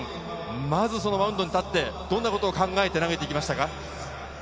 まずマウンドに立ってどんなことを考えて投げていきましたか？